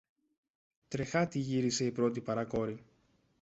Τρεχάτη γύρισε η πρώτη παρακόρη.